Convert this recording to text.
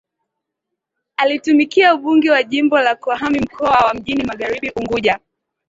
Alitumikia ubunge wa Jimbo la kwahami mkoa wa mjini magharibi Unguja